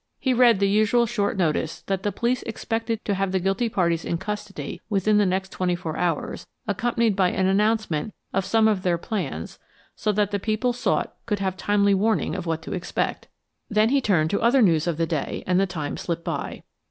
He read the usual short notice that the police expected to have the guilty parties in custody within the next twenty four hours, accompanied by an announcement of some of their plans so that the people sought could have timely warning of what to expect. Then he turned to other news of the day and the time slipped by.